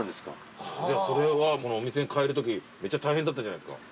じゃあそれはこのお店に変えるときめっちゃ大変だったんじゃないすか？